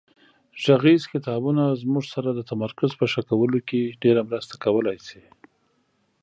غږیز کتابونه زموږ سره د تمرکز په ښه کولو کې ډېره مرسته کولای شي.